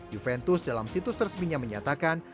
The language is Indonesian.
juventus dalam situs resminya menyatakan